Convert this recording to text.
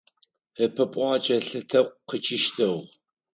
Ыпэ пӏуакӏэ лъы тӏэкӏу къичъыщтыгъ.